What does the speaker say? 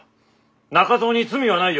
中蔵に罪はないよ。